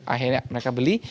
akhirnya mereka beli